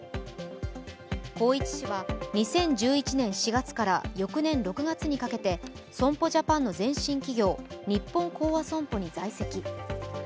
宏一氏は２０１１年４月から翌年６月にかけて損保ジャパンの前身企業日本興亜損保に在籍。